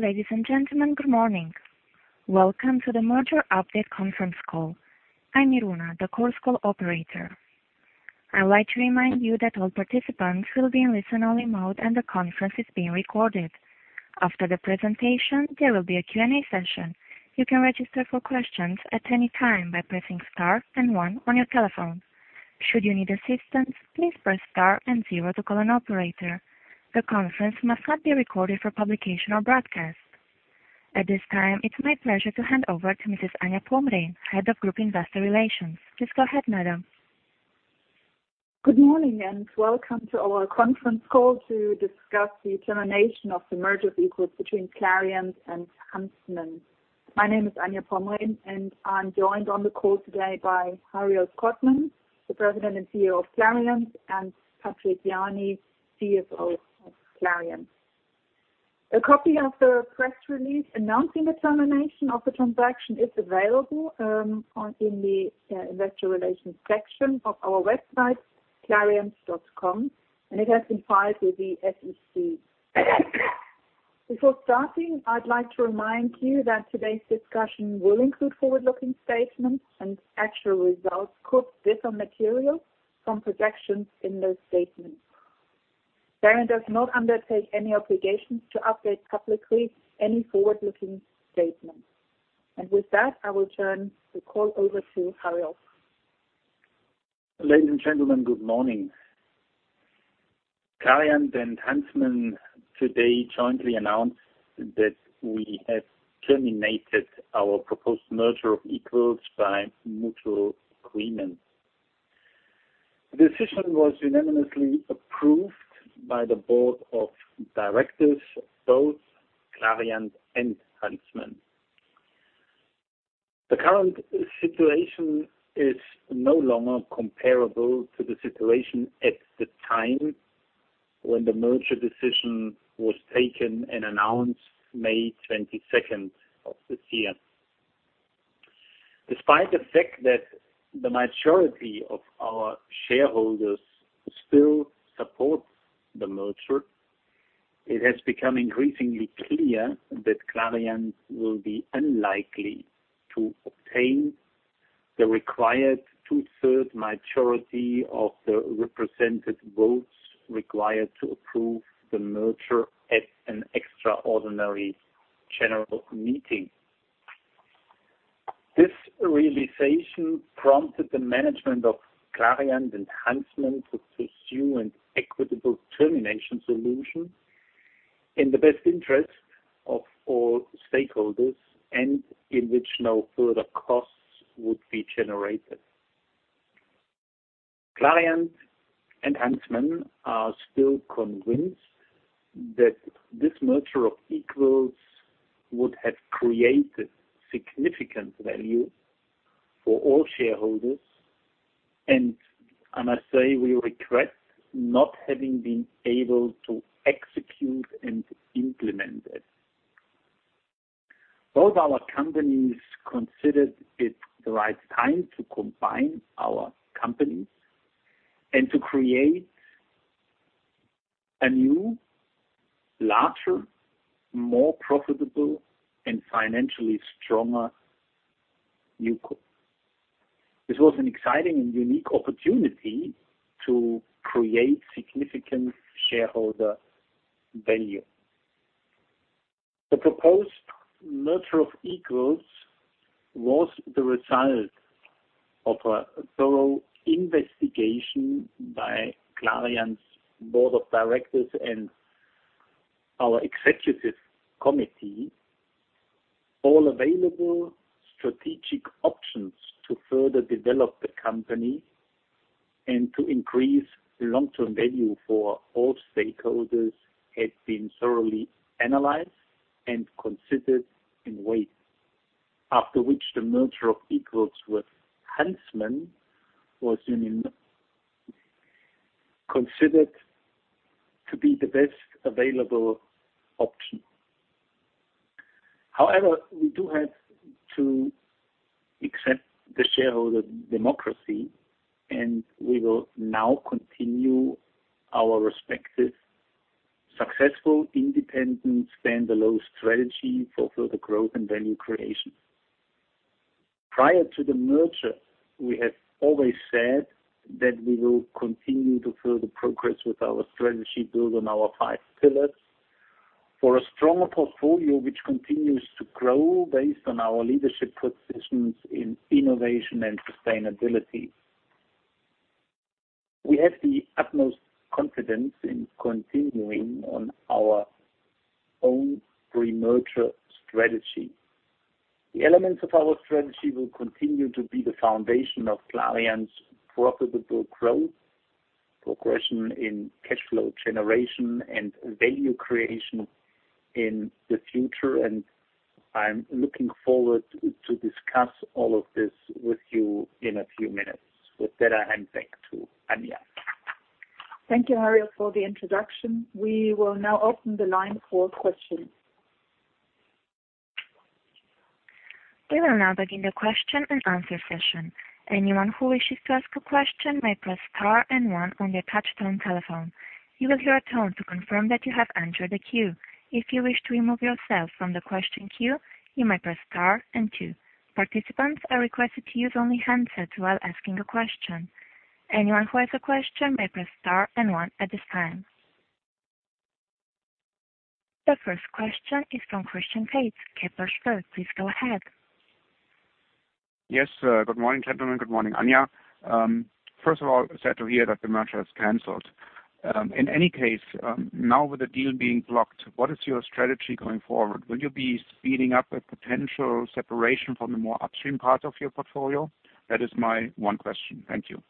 Ladies and gentlemen, good morning. Welcome to the merger update conference call. I'm Iruna, the Chorus Call operator. I would like to remind you that all participants will be in listen-only mode and the conference is being recorded. After the presentation, there will be a Q&A session. You can register for questions at any time by pressing star and one on your telephone. Should you need assistance, please press star and zero to call an operator. The conference must not be recorded for publication or broadcast. At this time, it's my pleasure to hand over to Mrs. Anja Pommrein, Head of Group Investor Relations. Please go ahead, madam. Good morning. Welcome to our conference call to discuss the termination of the merger of equals between Clariant and Huntsman. My name is Anja Pommrein, and I'm joined on the call today by Hariolf Kottmann, the President and CEO of Clariant, and Patrick Jany, CFO of Clariant. A copy of the press release announcing the termination of the transaction is available in the investor relations section of our website, clariant.com, and it has been filed with the SEC. Before starting, I'd like to remind you that today's discussion will include forward-looking statements and actual results could differ materially from projections in those statements. Clariant does not undertake any obligations to update publicly any forward-looking statements. With that, I will turn the call over to Hariolf. Ladies and gentlemen, good morning. Clariant and Huntsman today jointly announced that we have terminated our proposed merger of equals by mutual agreement. The decision was unanimously approved by the Board of Directors, both Clariant and Huntsman. The current situation is no longer comparable to the situation at the time when the merger decision was taken and announced May 22nd of this year. Despite the fact that the majority of our shareholders still support the merger, it has become increasingly clear that Clariant will be unlikely to obtain the required two-third majority of the represented votes required to approve the merger at an extraordinary general meeting. This realization prompted the management of Clariant and Huntsman to pursue an equitable termination solution in the best interest of all stakeholders and in which no further costs would be generated. Clariant and Huntsman are still convinced that this merger of equals would have created significant value for all shareholders. I must say, we regret not having been able to execute and implement it. Both our companies considered it the right time to combine our companies and to create a new, larger, more profitable, and financially stronger new co. This was an exciting and unique opportunity to create significant shareholder value. The proposed merger of equals was the result of a thorough investigation by Clariant's Board of Directors and our Executive Committee. All available strategic options to further develop the company and to increase long-term value for all stakeholders had been thoroughly analyzed and considered in weight, after which the merger of equals with Huntsman was unanimously considered to be the best available option. However, we do have to accept the shareholder democracy, and we will now continue our respective successful independent stand-alone strategy for further growth and value creation. Prior to the merger, we have always said that we will continue to further progress with our strategy built on our five pillars for a stronger portfolio, which continues to grow based on our leadership positions in innovation and sustainability. We have the utmost confidence in continuing on our own pre-merger strategy. The elements of our strategy will continue to be the foundation of Clariant's profitable growth, progression in cash flow generation and value creation in the future, and I'm looking forward to discuss all of this with you in a few minutes. With that, I hand back to Anja. Thank you, Hariolf, for the introduction. We will now open the line for questions. We will now begin the question and answer session. Anyone who wishes to ask a question may press star and one on their touch-tone telephone. You will hear a tone to confirm that you have entered the queue. If you wish to remove yourself from the question queue, you may press star and two. Participants are requested to use only handsets while asking a question. Anyone who has a question may press star and one at this time. The first question is from Christian Faitz, Kepler Cheuvreux. Please go ahead. Yes. Good morning, gentlemen. Good morning, Anja. First of all, sad to hear that the merger is canceled. In any case, now with the deal being blocked, what is your strategy going forward? Will you be speeding up a potential separation from the more upstream part of your portfolio? That is my one question. Thank you.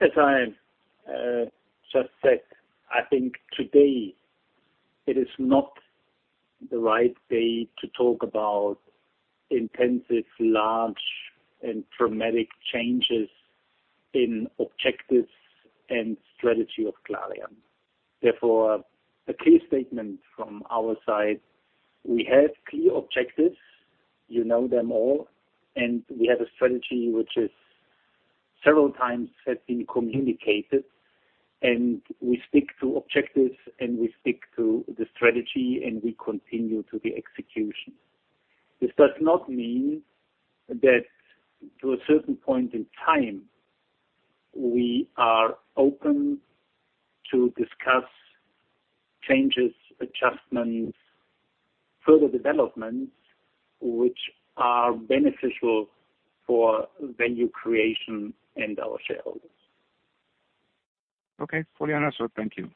As I just said, I think today it is not the right day to talk about intensive, large, and dramatic changes in objectives and strategy of Clariant. Therefore, a key statement from our side, we have clear objectives. You know them all, and we have a strategy which has several times been communicated, and we stick to objectives, and we stick to the strategy, and we continue to the execution. This does not mean that to a certain point in time, we are open to discuss changes, adjustments, further developments, which are beneficial for value creation and our shareholders. Okay, fully answered. Thank you.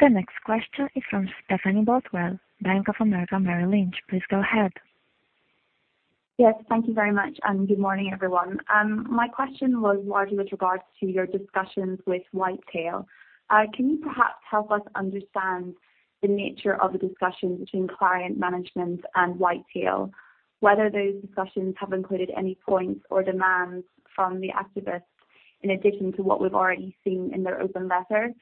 The next question is from Stephanie Bothwell, Bank of America, Merrill Lynch. Please go ahead. Yes. Thank you very much, and good morning, everyone. My question was largely with regards to your discussions with White Tale. Can you perhaps help us understand the nature of the discussions between Clariant management and White Tale, whether those discussions have included any points or demands from the activists in addition to what we've already seen in their open letter?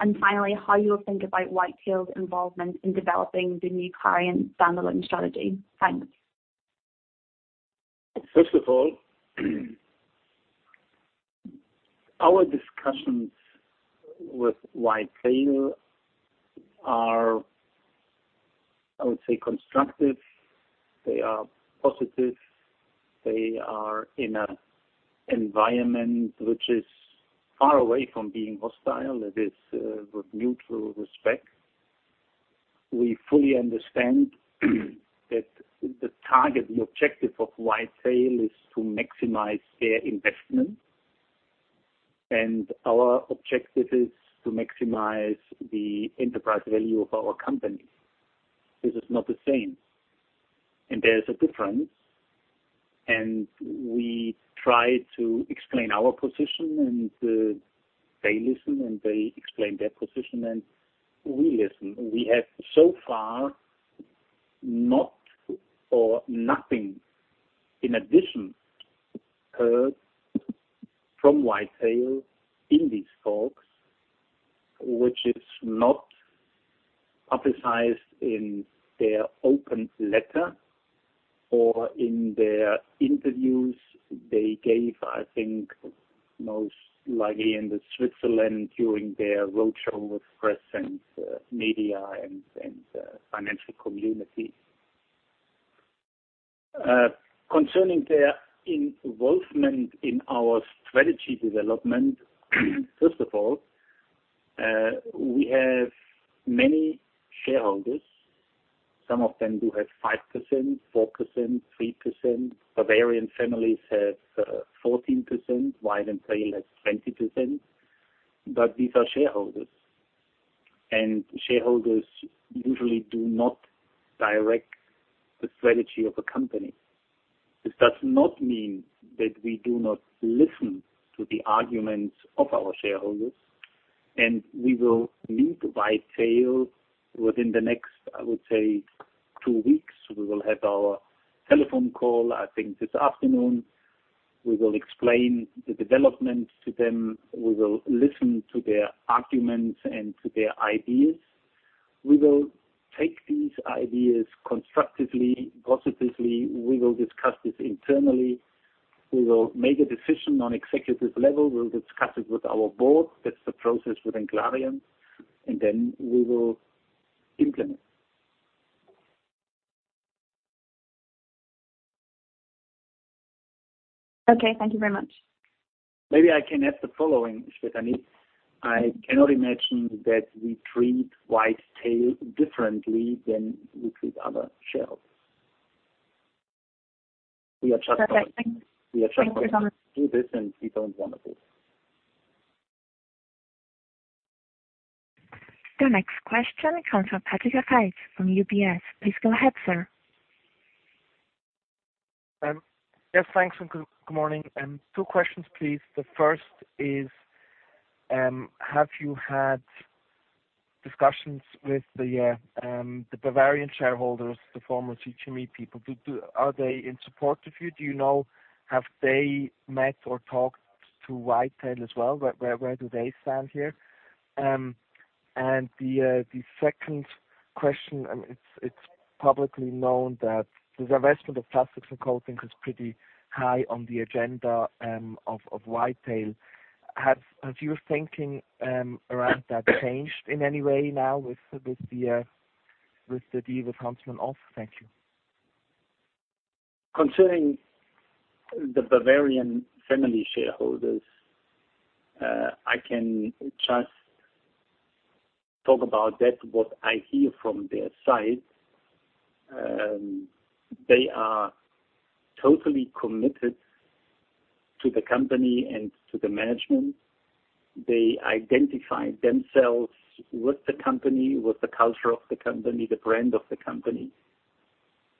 And finally, how you will think about White Tale's involvement in developing the new Clariant standalone strategy. Thanks. First of all, our discussions with White Tale are, I would say, constructive. They are positive. They are in an environment which is far away from being hostile. It is with mutual respect. We fully understand that the target, the objective of White Tale is to maximize their investment. Our objective is to maximize the enterprise value of our company. This is not the same. There's a difference. We try to explain our position. They listen. They explain their position. We listen. We have so far not or nothing in addition heard from White Tale in these talks, which is not publicized in their open letter or in their interviews they gave, I think, most likely in the Switzerland during their roadshow with press and media and financial community. Concerning their involvement in our strategy development, first of all, we have many shareholders, some of them do have 5%, 4%, 3%. Bavarian families have 14%. White Tale has 20%. These are shareholders. Shareholders usually do not direct the strategy of a company. This does not mean that we do not listen to the arguments of our shareholders. We will meet White Tale within the next, I would say, two weeks. We will have our telephone call, I think this afternoon. We will explain the development to them. We will listen to their arguments and to their ideas. We will take these ideas constructively, positively. We will discuss this internally. We will make a decision on executive level. We'll discuss it with our board. That's the process within Clariant. We will implement. Okay. Thank you very much. Maybe I can add the following, Stephanie. I cannot imagine that we treat White Tale differently than we treat other shareholders. Perfect. Thank you so much. We are just going to do this. The next question comes from Patrick Haitz from UBS. Please go ahead, sir. Yes, thanks. Good morning. Two questions, please. The first is, have you had discussions with the Bavarian shareholders, the former GCM people? Are they in support of you? Do you know, have they met or talked to White Tale as well, where do they stand here? The second question, it's publicly known that the divestment of Plastics & Coatings is pretty high on the agenda of White Tale. Has your thinking around that changed in any way now with the deal with Huntsman off? Thank you. Concerning the Bavarian family shareholders, I can just talk about that, what I hear from their side. They are totally committed to the company and to the management. They identify themselves with the company, with the culture of the company, the brand of the company.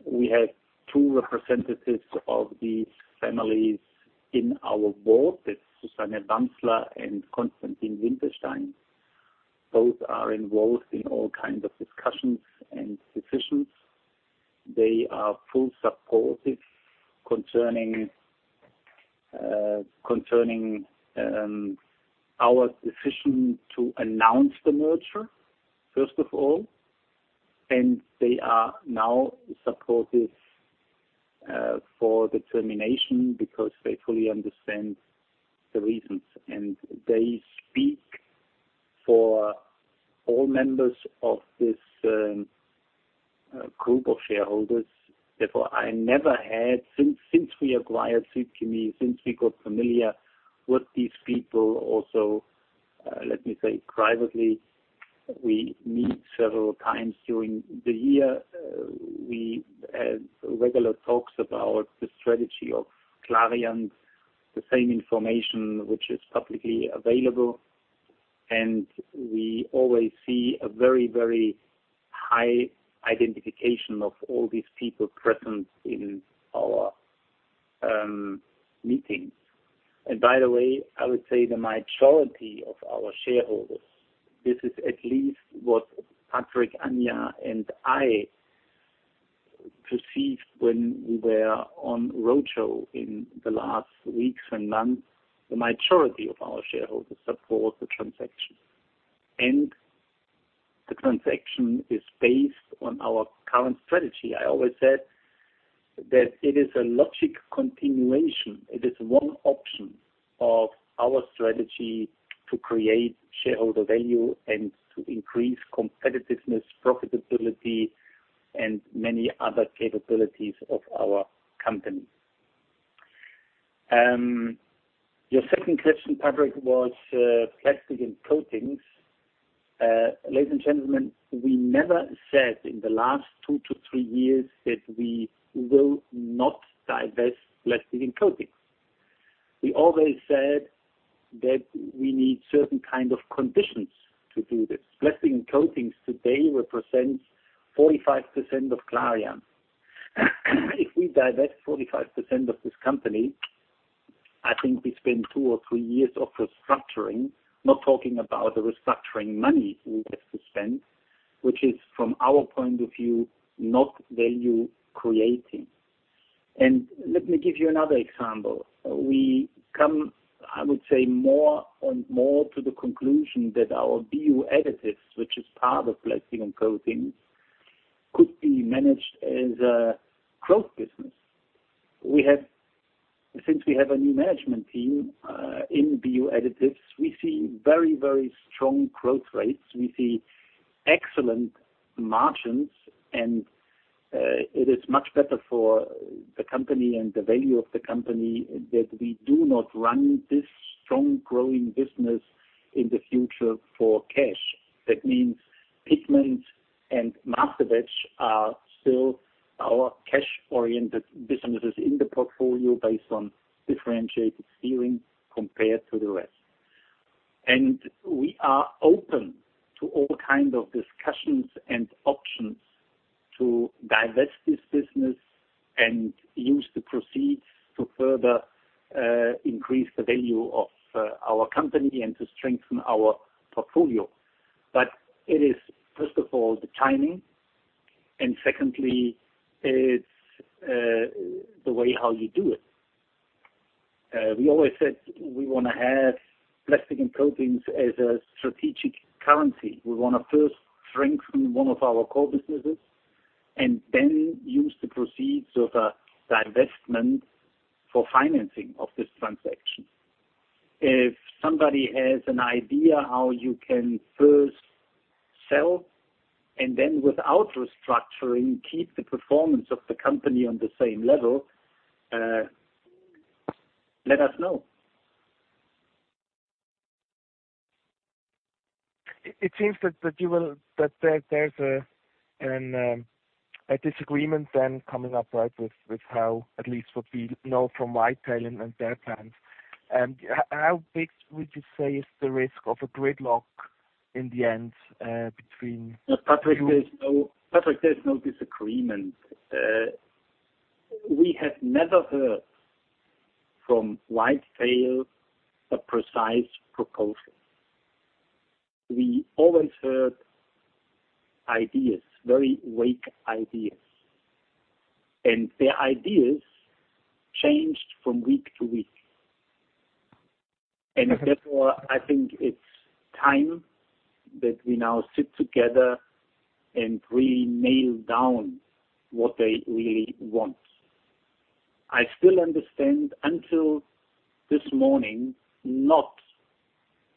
We have two representatives of these families on our board. It's Susanne Wamsler and Konstantin Winterstein. Both are involved in all kinds of discussions and decisions. They are fully supportive concerning our decision to announce the merger, first of all, and they are now supportive for the termination because they fully understand the reasons, and they speak for all members of this group of shareholders. Since we acquired Süd-Chemie, since we got familiar with these people also, let me say, privately, we meet several times during the year. We have regular talks about the strategy of Clariant, the same information which is publicly available. We always see a very, very high identification of all these people present in our meetings. By the way, I would say the majority of our shareholders, this is at least what Patrick, Anja, and I perceived when we were on roadshow in the last weeks and months, the majority of our shareholders support the transaction. The transaction is based on our current strategy. I always said that it is a logic continuation. It is one option of our strategy to create shareholder value and to increase competitiveness, profitability, and many other capabilities of our company. Your second question, Patrick, was, Plastics and Coatings. Ladies and gentlemen, we never said in the last two to three years that we will not divest Plastics and Coatings. We always said that we need certain kind of conditions to do this. Plastics and Coatings today represents 45% of Clariant. If we divest 45% of this company, I think we spend two or three years of restructuring, not talking about the restructuring money we have to spend, which is, from our point of view, not value creating. Let me give you another example. We come, I would say, more and more to the conclusion that our BU Additives, which is part of Plastics and Coatings, could be managed as a growth business. Since we have a new management team in BU Additives, we see very, very strong growth rates. We see excellent margins, it is much better for the company and the value of the company that we do not run this strong growing business in the future for cash. That means pigments and masterbatch are still our cash-oriented businesses in the portfolio based on differentiated feelings compared to the rest. We are open to all kind of discussions and options to divest this business and use the proceeds to further increase the value of our company and to strengthen our portfolio. It is, first of all, the timing, and secondly, it's the way how you do it. We always said we want to have Plastics and Coatings as a strategic currency. We want to first strengthen one of our core businesses and then use the proceeds of a divestment for financing of this transaction. If somebody has an idea how you can first sell and then without restructuring, keep the performance of the company on the same level, let us know. It seems that there's a disagreement coming up with how, at least what we know from White Tale and their plans. How big would you say is the risk of a gridlock in the end between- No, Patrick, there is no disagreement. We have never heard from White Tale a precise proposal. We always heard ideas, very vague ideas. Their ideas changed from week to week. Okay. I think it's time that we now sit together and really nail down what they really want. I still understand, until this morning, not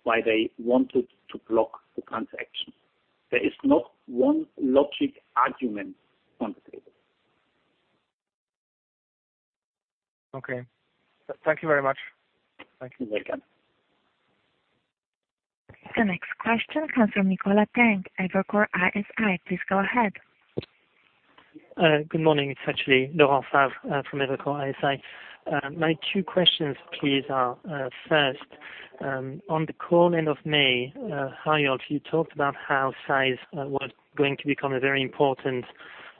why they wanted to block the transaction. There is not one logical argument on the table. Okay. Thank you very much. Thank you. The next question comes from Nicola Tang, Evercore ISI. Please go ahead. Good morning. It's actually Laurent Favre from Evercore ISI. My two questions please are, first, on the call end of May, Hariolf, you talked about how size was going to become a very important,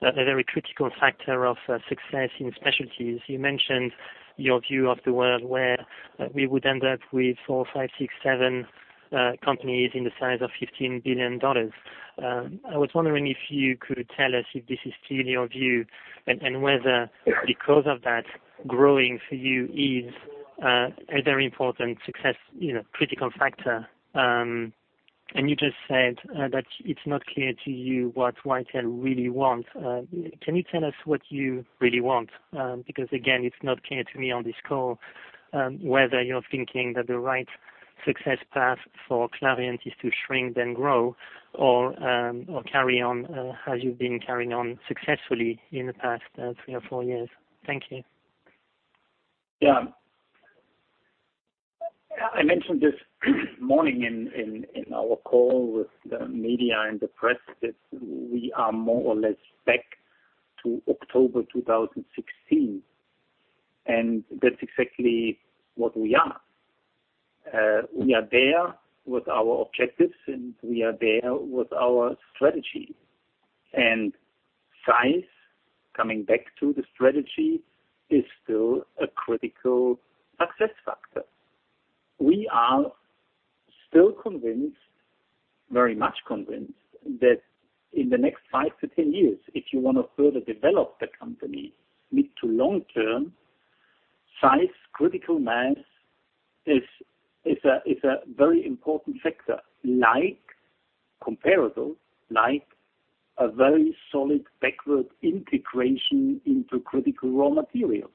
a very critical factor of success in specialties. You mentioned your view of the world where we would end up with four, five, six, seven companies in the size of $15 billion. I was wondering if you could tell us if this is still your view, and whether because of that, growing for you is a very important success, critical factor. You just said that it's not clear to you what White Tale really wants. Can you tell us what you really want? Again, it's not clear to me on this call whether you're thinking that the right success path for Clariant is to shrink then grow, or carry on as you've been carrying on successfully in the past three or four years. Thank you. Yeah. I mentioned this morning in our call with the media and the press that we are more or less back to October 2016. That's exactly what we are. We are there with our objectives, we are there with our strategy. Size, coming back to the strategy, is still a critical success factor. We are still convinced, very much convinced, that in the next five to 10 years, if you want to further develop the company mid to long term, size, critical mass is a very important factor. Like comparable, like a very solid backward integration into critical raw materials.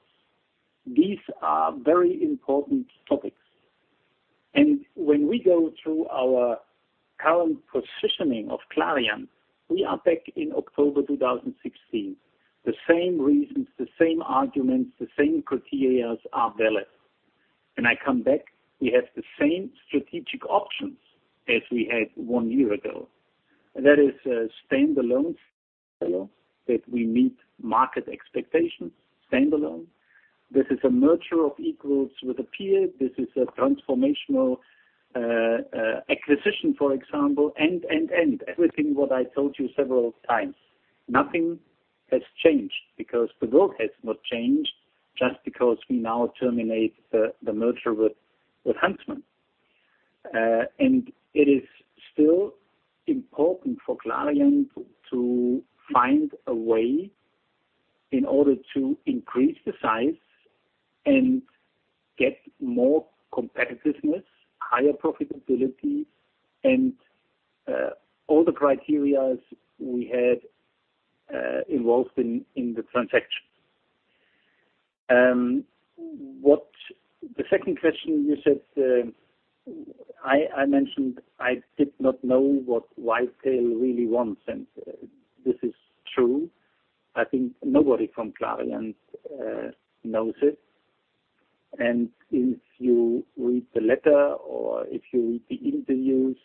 These are very important topics. When we go through our current positioning of Clariant, we are back in October 2016. The same reasons, the same arguments, the same criterias are valid. I come back, we have the same strategic options as we had one year ago. That is a stand-alone scenario that we meet market expectations, stand-alone. This is a merger of equals with a peer. This is a transformational acquisition, for example, and, and. Everything what I told you several times. Nothing has changed because the world has not changed just because we now terminate the merger with Huntsman. It is still important for Clariant to find a way in order to increase the size and get more competitiveness, higher profitability, and all the criterias we had involved in the transaction. The second question you said, I mentioned I did not know what White Tale really wants, and this is true. I think nobody from Clariant knows it. If you read the letter or if you read the interviews,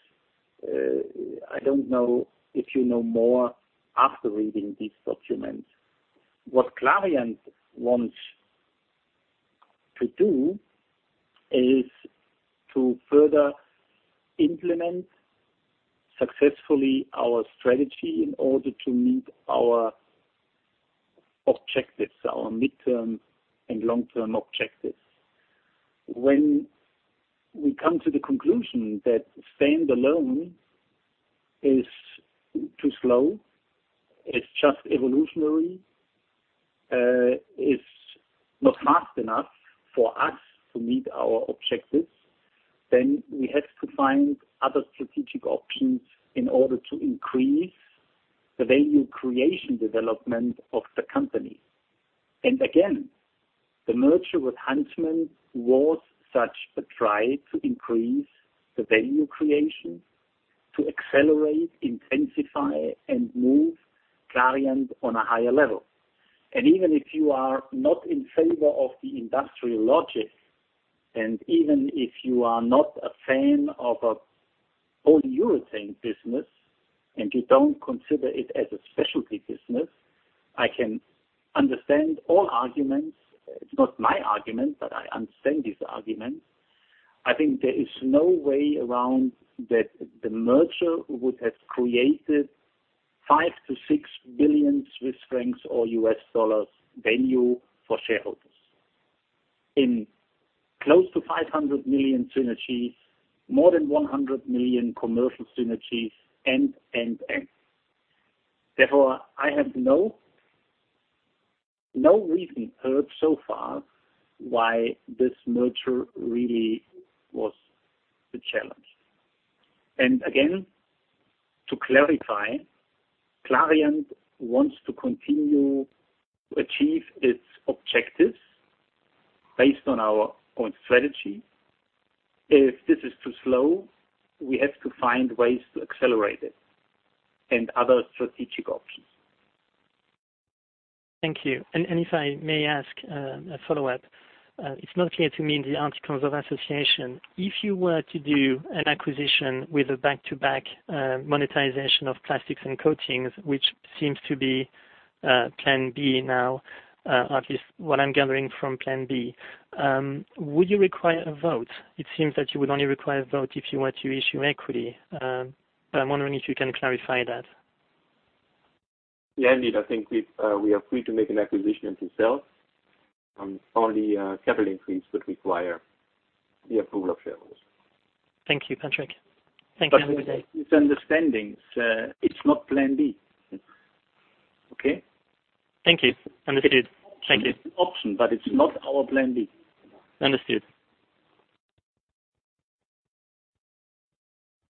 I don't know if you know more after reading these documents. What Clariant wants to do is to further implement successfully our strategy in order to meet our objectives, our midterm and long-term objectives. When we come to the conclusion that stand-alone is too slow, it's just evolutionary, it's not fast enough for us to meet our objectives, then we have to find other strategic options in order to increase the value creation development of the company. Again, the merger with Huntsman was such a try to increase the value creation, to accelerate, intensify, and move Clariant on a higher level. Even if you are not in favor of the industrial logic, even if you are not a fan of a polyurethane business and you don't consider it as a specialty business, I can understand all arguments. It's not my argument, but I understand these arguments. I think there is no way around that the merger would have created 5 to 6 billion Swiss francs or USD value for shareholders. In close to $500 million synergies, more than $100 million commercial synergies, and, and. I have no reason heard so far why this merger really was the challenge. Again, to clarify, Clariant wants to continue to achieve its objectives based on our own strategy. If this is too slow, we have to find ways to accelerate it and other strategic options. Thank you. If I may ask a follow-up, it's not clear to me in the articles of association, if you were to do an acquisition with a back-to-back monetization of Plastics & Coatings, which seems to be plan B now, or at least what I'm gathering from plan B, would you require a vote? It seems that you would only require a vote if you were to issue equity. I'm wondering if you can clarify that. Yeah, indeed. I think we are free to make an acquisition itself. Only a capital increase would require the approval of shareholders. Thank you, Patrick. Thank you, have a good day. Misunderstandings. It's not plan B. Okay? Thank you. Understood. Thank you. It's an option, but it's not our plan B. Understood.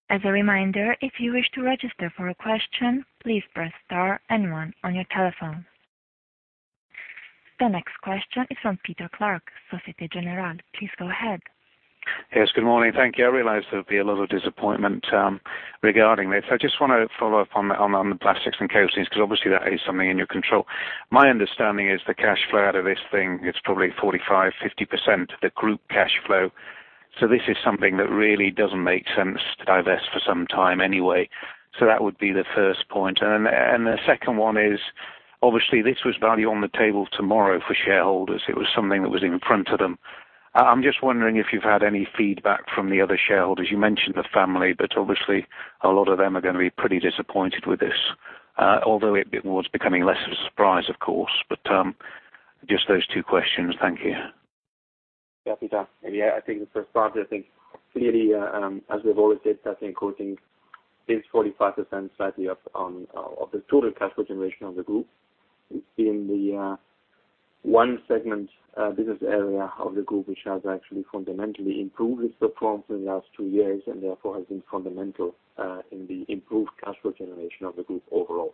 As a reminder, if you wish to register for a question, please press star and one on your telephone. The next question is from Peter Clark, Société Générale. Please go ahead. Yes, good morning. Thank you. I realize there will be a lot of disappointment regarding this. I just want to follow up on the Plastics & Coatings, because obviously that is something in your control. My understanding is the cash flow out of this thing, it's probably 45%-50% the group cash flow. This is something that really doesn't make sense to divest for some time anyway. That would be the first point. The second one is, obviously this was value on the table tomorrow for shareholders. It was something that was in front of them. I'm just wondering if you've had any feedback from the other shareholders. You mentioned the family, obviously, a lot of them are going to be pretty disappointed with this. Although it was becoming less of a surprise, of course. Just those two questions. Thank you. Peter. I think the first part, I think clearly, as we've always said, that the Plastics & Coatings is 45% slightly up of the total cash flow generation of the group. It's been the one segment, business area of the group, which has actually fundamentally improved its performance in the last two years, and therefore has been fundamental in the improved cash flow generation of the group overall.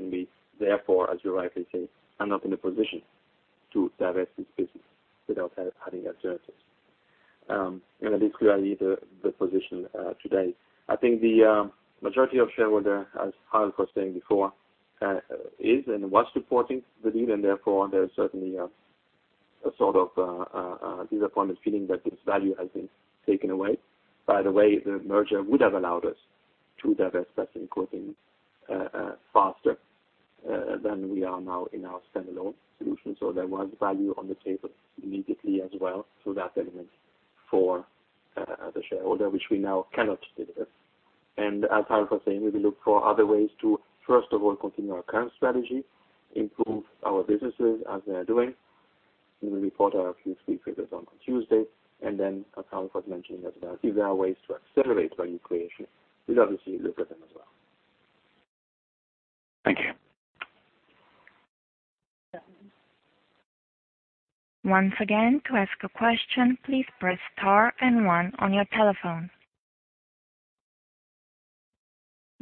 We, therefore, as you rightly say, are not in a position to divest this business without having alternatives. That is clearly the position today. I think the majority of shareholders, as Hariolf was saying before, is and was supporting the deal, and therefore, there's certainly a sort of a disappointed feeling that this value has been taken away. By the way, the merger would have allowed us to divest that in Plastics & Coatings faster than we are now in our standalone solution. There was value on the table immediately as well. That element for the shareholder, which we now cannot deliver. As Hariolf was saying, we will look for other ways to, first of all, continue our current strategy, improve our businesses as they are doing. We will report our Q3 figures on Tuesday, then as Hariolf was mentioning, that if there are ways to accelerate value creation, we'll obviously look at them as well. Thank you. Once again, to ask a question, please press star and one on your telephone.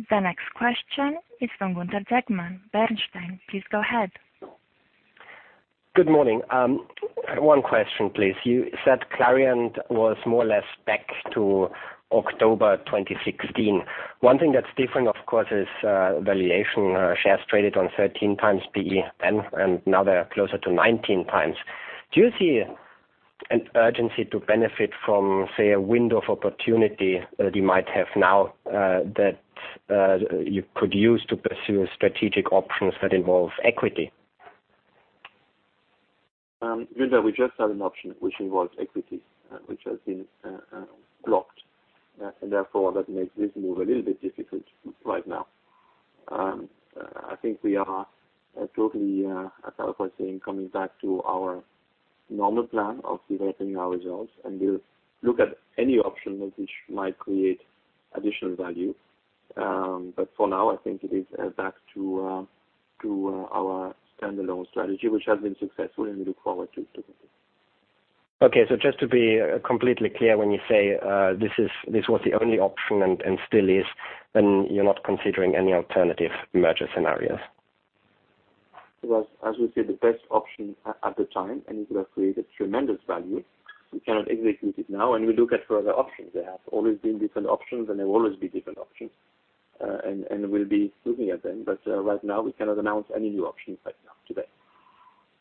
The next question is from Gunther Zechmann, Bernstein Research. Please go ahead. Good morning. One question, please. You said Clariant was more or less back to October 2016. One thing that's different, of course, is valuation. Shares traded on 13 times PE then. Now they're closer to 19 times. Do you see an urgency to benefit from, say, a window of opportunity that you might have now that you could use to pursue strategic options that involve equity? Gunther, we just had an option which involves equity, which has been blocked. Therefore, that makes this move a little bit difficult right now. I think we are totally, as Hariolf was saying, coming back to our normal plan of developing our results. We'll look at any option which might create additional value. For now, I think it is back to our standalone strategy, which has been successful, and we look forward to it. Okay, just to be completely clear, when you say, this was the only option and still is, then you're not considering any alternative merger scenarios? It was, as we say, the best option at the time. It would have created tremendous value. We cannot execute it now. We look at further options. There have always been different options. There will always be different options. We'll be looking at them. Right now, we cannot announce any new options right now, today.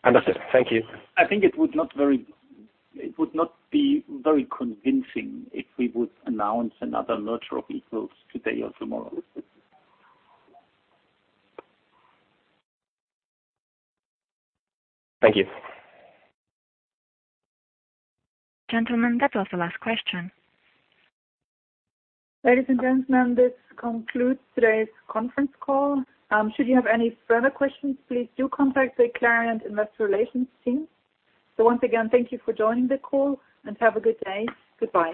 Understood. Thank you. I think it would not be very convincing if we would announce another merger of equals today or tomorrow. Thank you. Gentlemen, that was the last question. Ladies and gentlemen, this concludes today's conference call. Should you have any further questions, please do contact the Clariant Investor Relations team. Once again, thank you for joining the call and have a good day. Goodbye.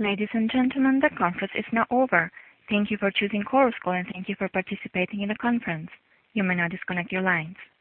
Ladies and gentlemen, the conference is now over. Thank you for choosing Chorus Call, and thank you for participating in the conference. You may now disconnect your lines.